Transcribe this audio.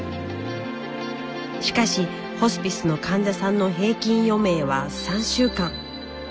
しかしホスピスの患者さんの平均余命は３週間。